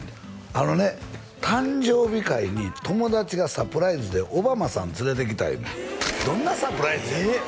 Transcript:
あのね誕生日会に友達がサプライズでオバマさん連れてきたいうねんどんなサプライズやねんえっ？